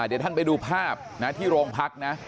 เดี๋ยวท่านไปดูภาพที่โรงพักนะ